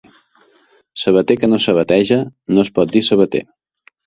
Sabater que no sabateja, no es pot dir sabater.